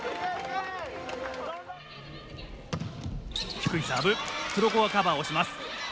低いサーブ黒後がカバーをします。